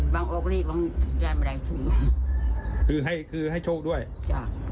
บางออกเล็กบางยายไม่ได้ช่วยคือให้คือให้โชคด้วยจ้ะ